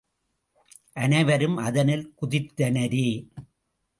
அனைவரும் அதனில் குதித்தனரே!